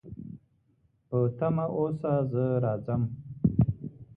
په تمه اوسه، زه راځم